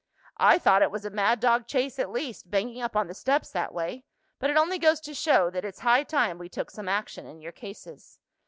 "I thought it was a mad dog chase at least, banging up on the steps that way. But it only goes to show that it's high time we took some action in your cases."